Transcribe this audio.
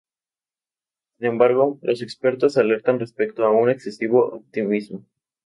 Sin embargo, los expertos alertan respecto a un excesivo optimismo.